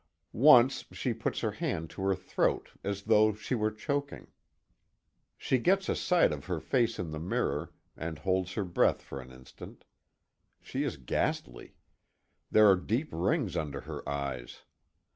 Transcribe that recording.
Once, she puts her hand to her throat as though she were choking. She gets a sight of her face in the mirror, and holds her breath for an instant. She is ghastly. There are deep rings under her eyes.